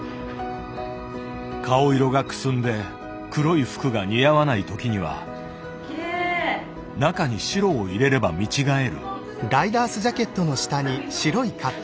顔色がくすんで黒い服が似合わない時には中に白を入れれば見違える。